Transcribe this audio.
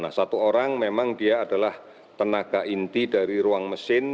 nah satu orang memang dia adalah tenaga inti dari ruang mesin